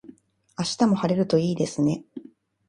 明日も晴れるといいですね。